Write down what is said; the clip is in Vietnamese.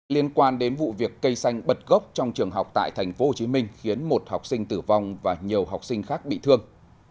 liên quan đến vụ việc cây xanh bật gốc trong trường học tại tp hcm khiến một học sinh tử vong và nhiều học sinh khác bị thương